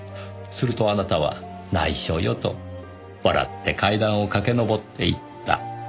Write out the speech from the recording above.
するとあなたは「内緒よ」と笑って階段を駆け上っていった。